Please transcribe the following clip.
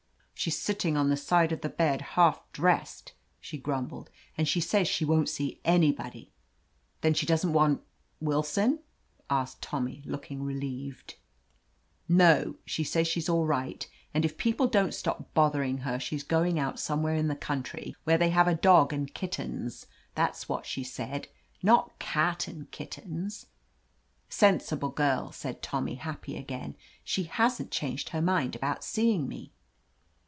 "She's sitting on the side of the bed, half dressed," she grumbled, "and she says she won't see anybody." "Then she doesn't want — Willson?" asked Tommy, looking relieved. 102 i OF LETITIA CARBERRY \€<^ No. Says she's all right, and if people don't stop bothering her she is going out some where in the country where they have a dog and kittens! That's what she saidl Not cat and kittens —" Sensible girl," said Tommy, happy again. She hasn't changed her mind about seeing me?"